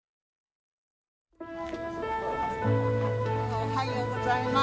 おはようございます。